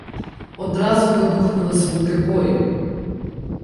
Одразу вибухнули звуки бою.